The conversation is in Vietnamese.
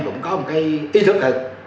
cũng có một ý thức thật